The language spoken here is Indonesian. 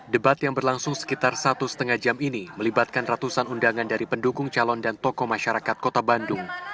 debat yang berlangsung sekitar satu lima jam ini melibatkan ratusan undangan dari pendukung calon dan tokoh masyarakat kota bandung